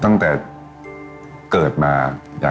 แต่ตอนเด็กก็รู้ว่าคนนี้คือพระเจ้าอยู่บัวของเรา